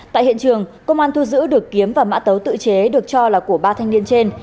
tại hiện trường công an thu giữ được kiếm và mã tấu tự chế được cho là của ba thanh niên trên